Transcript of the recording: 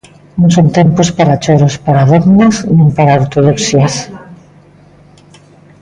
Non son tempos para choros, para dogmas nin para ortodoxias.